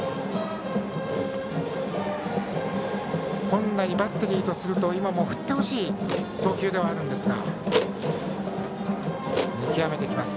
本来、バッテリーとすると振ってほしい投球ですが。